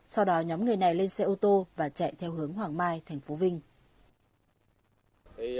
sau đó nhóm người này lên xe ô tô và chạy theo hướng hoàng mai tp vinh